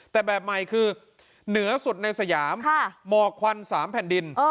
แต่แบบใหม่คือเหนือสุดในสยามหมอกควัน๓แผ่นดิน